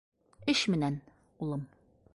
— Эш менән, улым.